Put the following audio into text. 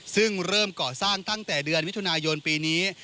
ซึ่งเริ่มก่อสร้างตั้งแต่เดือนมิถุนายนปีนี้